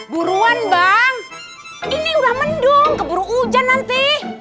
buruan bang ini udah mendung keburu hujan nanti